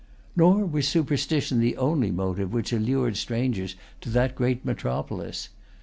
Nor was superstition the only motive which allured strangers to that great metropolis.